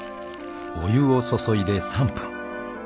［お湯を注いで３分］